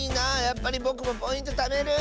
やっぱりぼくもポイントためる！